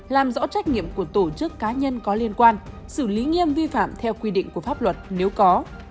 làm rõ trách nhiệm của tổ chức cá nhân có liên quan xử lý nghiêm vi phạm theo quy định của pháp luật nếu có